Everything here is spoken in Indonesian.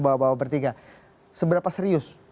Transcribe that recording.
bapak bapak bertiga seberapa serius